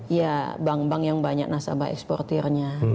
ya bank bank yang banyak nasabah eksportirnya